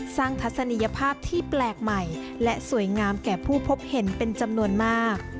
ทัศนียภาพที่แปลกใหม่และสวยงามแก่ผู้พบเห็นเป็นจำนวนมาก